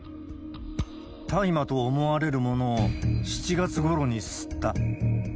大麻と思われるものを７月ごろに吸った。